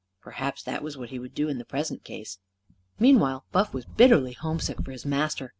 Perhaps that was what he would do in the present case. Meanwhile, Buff was bitterly homesick for his master.